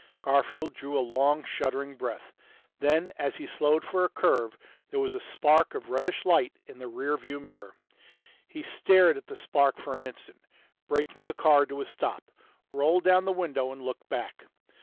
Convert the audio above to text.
Garfield drew a long, shuddering breath. Then, as he slowed for a curve, there was a spark of reddish light in the rear view mirror. He stared at the spark for an instant, braked the car to a stop, rolled down the window and looked back.